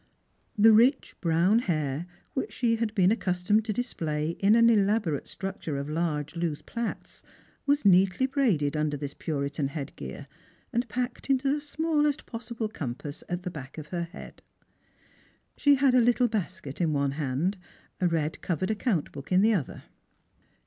The rich brown hair, which she had been accustomed to display in an elaborate structure of large loose plaits, was neatly braided under this Puritan head gear, and packed into the smallest possible compass at the back of her head, She had a little basket in one hand, a red covered account book in the other.